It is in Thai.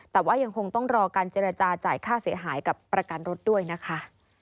แต่ว่ายังคงต้องรอการเจรจาจ่ายค่าเสียหายกับประกันรถด้วยนะคะ